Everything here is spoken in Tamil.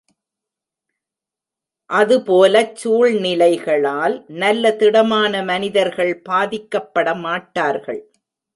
அதுபோலச் சூழ்நிலைகளால் நல்ல திடமான மனிதர்கள் பாதிக்கப்படமாட்டார்கள்.